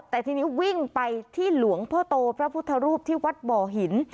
แต่ทีนี้วิ่งไปที่หลวงพ่อโตพระพุทธรูปที่วัดบ่อหิน